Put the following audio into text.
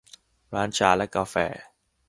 ร้านชาและกาแฟ